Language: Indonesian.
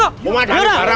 kau madani barang